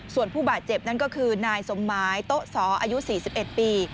ส่วนผู้บาดเจ็บนั่นก็คือนายสมหมายโต๊ะสออายุ๔๑ปี